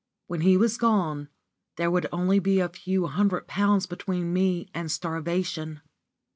When he was gone, there would only be a few hundred pounds between me and starvation.